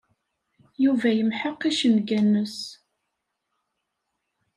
Yuba yemḥeq icenga-nnes.